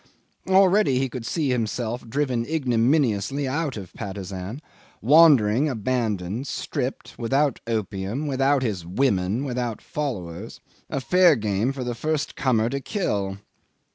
Already he could see himself driven ignominiously out of Patusan, wandering abandoned, stripped, without opium, without his women, without followers, a fair game for the first comer to kill.